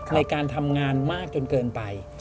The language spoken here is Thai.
ในการทำงานมากจนเกินไป